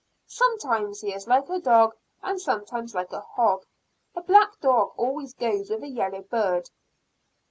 "Sometimes he is like a dog, and sometimes like a hog. The black dog always goes with a yellow bird."